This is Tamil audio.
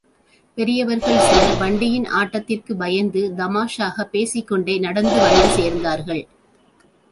பெரியவர்கள் சிலர் வண்டியின் ஆட்டத்திற்குப் பயந்து தமாஷாகப் பேசிக்கொண்டே நடந்து வந்து சேர்ந்தார்கள்.